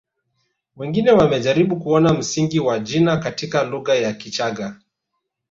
Wengine wamejaribu kuona msingi wa jina katika lugha ya Kichaga